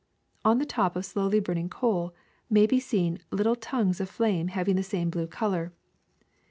On the top of slowly burning coal may be seen little tongues of flame hav ing the same blue color.